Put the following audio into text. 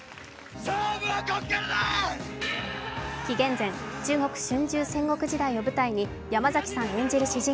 紀元前、中国・春秋戦国時代を舞台に山崎さん演じる主人